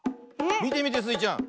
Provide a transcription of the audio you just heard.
みてみてスイちゃん。